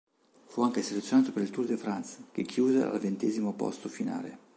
Fu anche selezionato per il Tour de France che chiuse al ventesimo posto finale.